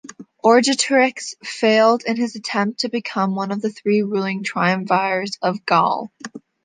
Orgetorix failed in his attempt to become one of three ruling triumvirs of Gaul.